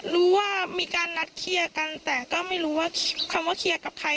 รู้ว่ามีการนัดเคลียร์กันแต่ก็ไม่รู้ว่าคำว่าเคลียร์กับใคร